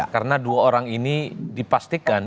karena dua orang ini dipastikan